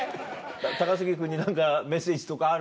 高杉君に何かメッセージとかある？